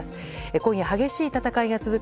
今夜激しい戦いが続く